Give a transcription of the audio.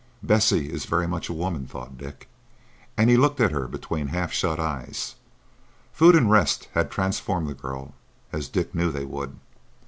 Bessie is very much a woman," thought Dick; and he looked at her between half shut eyes. Food and rest had transformed the girl, as Dick knew they would.